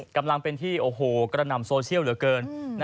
กำลังเป็นที่โอ้โหกระหน่ำโซเชียลเหลือเกิน